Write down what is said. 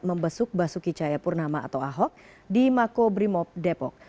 membesuk basuki caya purnama atau ahok di makobrimob depok